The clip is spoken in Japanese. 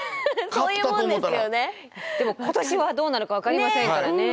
でも今年はどうなるか分かりませんからね。